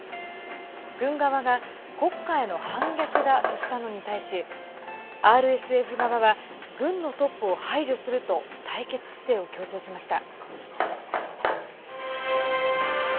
軍側が国家への反逆だとしたのに対しＲＳＦ側は軍のトップを排除すると対決姿勢を強調しました。